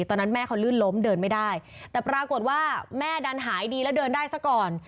ตอนนั้นแม่เขาลื่นล้มเดินไม่ได้แต่ปรากฏว่าแม่ดันหายดีแล้วเดินได้ซะก่อน